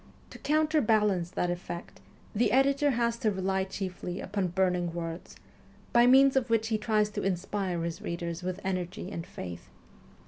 To counter balance that effect, the editor has to rely chiefly upon burning words, by means of which he tries to inspire his readers with energy and faith.